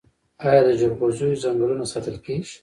آیا د جلغوزیو ځنګلونه ساتل کیږي؟